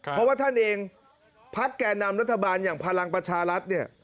เพราะว่าท่านเองพักแก่นำรัฐบาลอย่างพลังประชารัฐเนี่ย